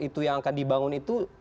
itu yang akan dibangun itu